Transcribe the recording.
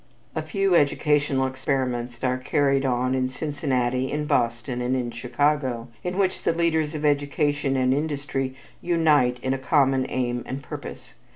A few educational experiments are carried on in Cincinnati, in Boston and in Chicago, in which the leaders of education and industry unite in a common aim and purpose.